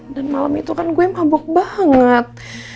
dan malam itu kan gue mabok banget